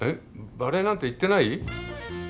バレエなんて言ってない？